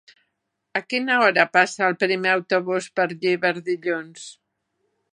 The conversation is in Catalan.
A quina hora passa el primer autobús per Llíber dilluns?